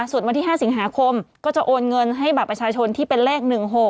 ส่วนวันที่๕สิงหาคมก็จะโอนเงินให้บัตรประชาชนที่เป็นเลข๑๖